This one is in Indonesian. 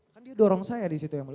kan dia dorong saya disitu yang mulia